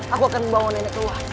aku akan membangun nenek keluar